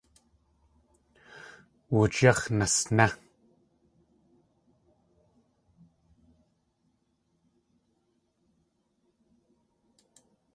Wooch yáx̲ nasné!